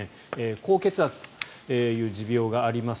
高血圧という持病があります。